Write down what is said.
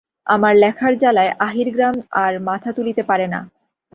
আমার লেখার জ্বালায় আহিরগ্রাম আর মাথা তুলিতে পারে না।